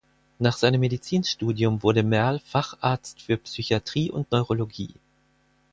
Nach seinem Medizinstudium wurde Merl Facharzt für Psychiatrie und Neurologie.